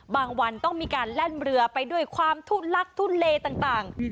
วันต้องมีการแล่นเรือไปด้วยความทุลักทุเลต่าง